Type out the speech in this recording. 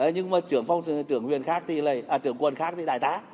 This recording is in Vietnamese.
nhưng mà trưởng phong trưởng huyện khác thì là trưởng quân khác thì đại tá